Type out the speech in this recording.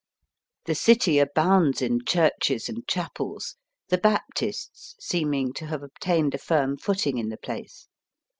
The city abounds in churches and chapels, the Baptists seeming to have obtained a firm footing in the place.